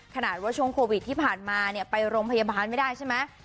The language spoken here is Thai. ขนาดว่าช่วงโควิดที่ผ่านมาเนี่ยไปโรงพยาบาลไม่ได้ใช่ไหม